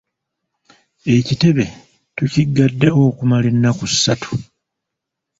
Ekitebe tukiggaddewo okumala ennaku ssatu.